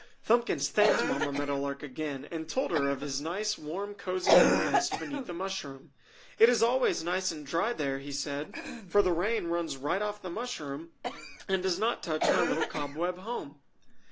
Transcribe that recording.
Thumbkins thanked Mamma Meadow Lark again, and told her of his nice warm cozy little nest beneath the mushroom. "It is always nice and dry there," he said, "for the rain runs right off the mushroom and does not touch my little cobweb home!"